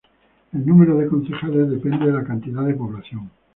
El número de concejales depende de la cantidad de población.